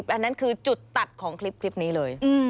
อันนั้นคือจุดตัดของคลิปนี้เลย